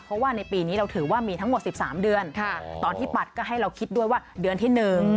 เพราะว่าในปีนี้เราถือว่ามีทั้งหมด๑๓เดือนตอนที่ปัดก็ให้เราคิดด้วยว่าเดือนที่๑